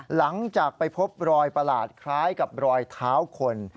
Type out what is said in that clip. หลังจากไปพบรอยประหลาดคล้ายกับรอยเท้าคน